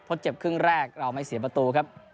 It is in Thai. เพราะเจ็บครึ่งแรกเราไม่เสียประตูครับ